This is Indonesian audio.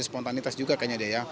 spontanitas juga kayaknya deh ya